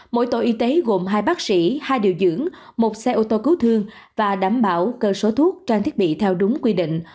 mỗi tổ y tế gồm hai bác sĩ hai điều dưỡng một xe ô tô cứu thương và đảm bảo cơ số thuốc trang thiết bị theo đúng quy định